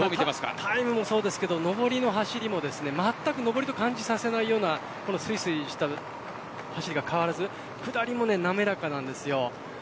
タイムもそうですが上りの走りもまったく感じさせないようなすいすいした走りが変わらず下りも滑らかです。